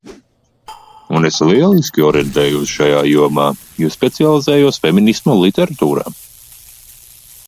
Un es lieliski orientējos šajā jomā, jo specializējos feminisma literatūrā!